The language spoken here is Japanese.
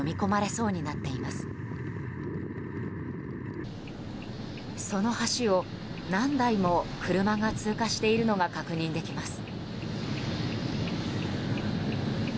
その橋を何台も車が通過しているのが確認できます。